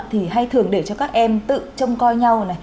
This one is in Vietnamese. thì hay thường để cho các em tự trông coi nhau này